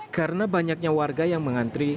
karena banyaknya warga yang mengantre